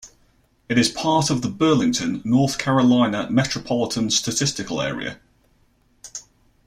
It is part of the Burlington, North Carolina Metropolitan Statistical Area.